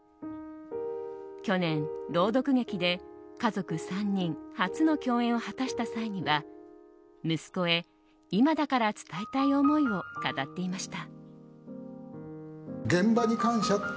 去年、朗読劇で家族３人初の共演を果たした際には息子へ、今だから伝えたい思いを語っていました。